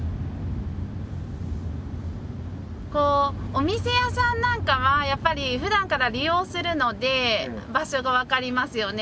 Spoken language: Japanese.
お店屋さんなんかはやっぱりふだんから利用するので場所が分かりますよね。